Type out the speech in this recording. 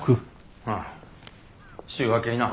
うん週明けにな。